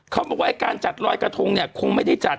เขาบอกว่าการจัดลอยกระทงเนี่ยคงไม่ได้จัด